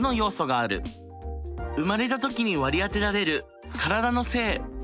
生まれた時に割り当てられる体の性。